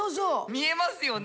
見えますよね。